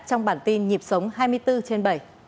trong bản tin nhịp sống hai mươi bốn trên bảy